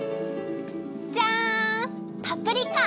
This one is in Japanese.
じゃんパプリカ！